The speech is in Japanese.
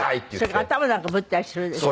それから頭なんかぶったりするでしょ。